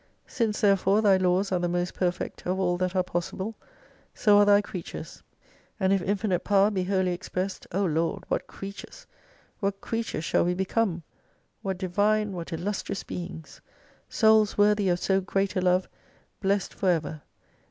Since therefore Thy laws are the most perfect of all that are possible, so arc Thy creatures. And if infinite power be wholly expressed O Lord, what creatures ! what creatures shall we become ! ^X'"hat Divine, what illustrious Beings ! Souls worthy of so great a love, blessed forever.